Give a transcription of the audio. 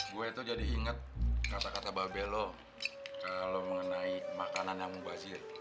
gue tuh jadi inget kata kata babel lo kalau mengenai makanan yang mubazir